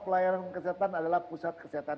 pelayanan kesehatan adalah pusat kesehatan